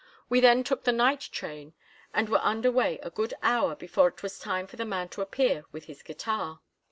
We then took the night train and were under way a good hour before it was time for the man to appear with his guitar.